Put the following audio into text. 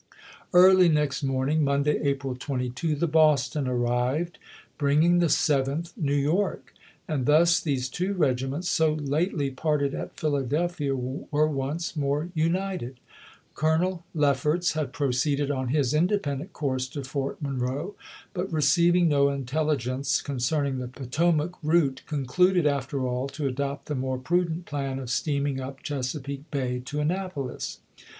Early next morning (Monday, April 22) the Boston arrived, bringing the Seventh New York ; and thus these two regiments, so lately parted at Philadelphia, were once more united. 154 ABRAHAM LINCOLN Chap. VII. Coloiiel Leffei'ts had proceeded on his independent course to Fort Monroe; but receiving no intelli gence concerning the Potomac route, concluded, after all, to adopt the more prudent plan of steam ing up Chesapeake Bay to Annapolis.